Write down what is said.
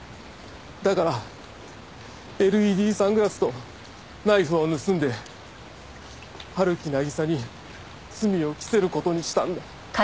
だからＬＥＤサングラスとナイフを盗んで陽木渚に罪を着せる事にしたんだ。